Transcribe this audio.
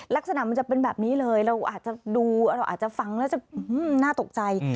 ลักษณะมันจะเป็นแบบนี้เลยเราอาจจะดูเราอาจจะฟังแล้วจะน่าตกใจ